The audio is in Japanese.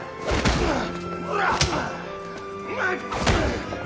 うっ。